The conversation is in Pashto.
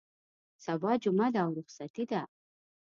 سبا جمعه ده او رخصتي ده.